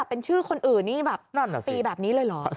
เป็นชื่อคนอื่นนี่แบบฟรีแบบนี้เลยเหรอ